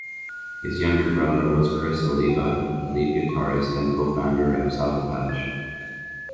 His younger brother was Criss Oliva, the lead guitarist and co-founder of Savatage.